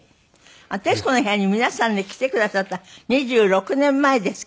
『徹子の部屋』に皆さんで来てくださった２６年前ですけれども。